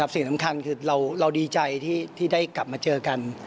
สิ่งสำคัญคือเราดีใจที่ได้กลับมาเจอกัน